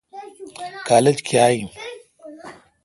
کالج کاں این۔